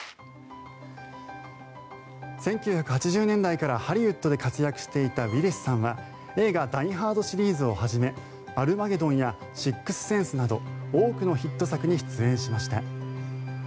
１９８０年代からハリウッドで活躍していたウィリスさんは映画「ダイ・ハード」シリーズをはじめ「アルマゲドン」や「シックス・センス」など多くのヒット作に出演しました。